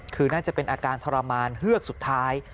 คือน่าจะเป็นอาการทรมานเฮือกสุดท้าย